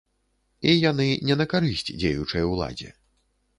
І яны не на карысць дзеючай уладзе.